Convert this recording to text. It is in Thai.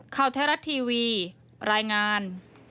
ข่าวไทยรัฐทีวีรายงาน